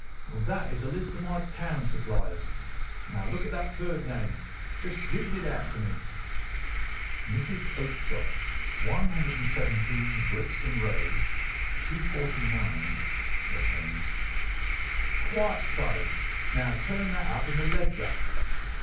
Well, that is a list of my town suppliers. Now, look at that third name. Just read it out to me." "Mrs. Oakshott, 117, Brixton Road—249," read Holmes. "Quite so. Now turn that up in the ledger."